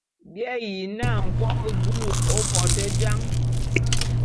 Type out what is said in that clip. Bi ayi na nkobô búlù ô bo te jan.